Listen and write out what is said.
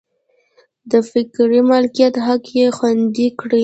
د فکري مالکیت حق یې خوندي کړي.